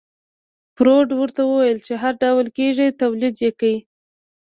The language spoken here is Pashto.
فورډ ورته وويل چې هر ډول کېږي توليد يې کړئ.